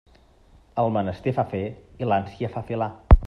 El menester fa fer i l'ànsia fa filar.